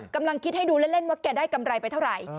กำลังคิดให้ดูเล่นว่าแกได้กำไรไปเท่าไหร่